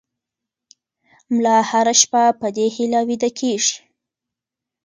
ملا هره شپه په دې هیله ویده کېږي.